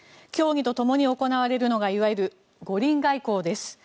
競技とともに行われるのがいわゆる五輪外交です。